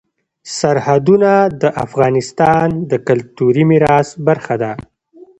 سرحدونه د افغانستان د کلتوري میراث برخه ده.